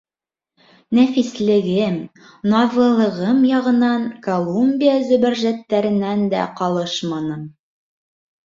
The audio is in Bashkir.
Нәфислегем, наҙлылығым яғынан Колумбия зөбәржәттәренән дә ҡалышманым.